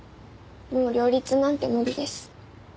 もう両立なんて無理です。